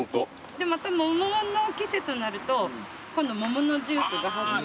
桃の季節になると今度桃のジュースが始まる。